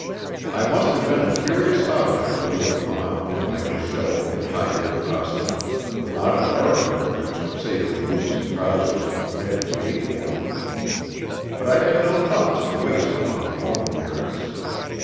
I must have been a curious object to look upon in my dishevelled and hybrid costume, not an article of which, save the boots and trousers, had been made for me. But I had no thoughts to waste upon my own appearance.